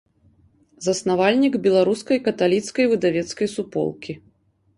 Заснавальнік беларускай каталіцкай выдавецкай суполкі.